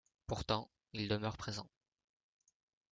Pourtant, il demeure présent.